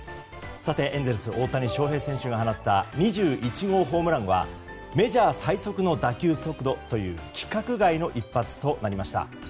エンゼルス大谷翔平選手が放った２１号ホームランはメジャー最速の打球速度という規格外の一発となりました。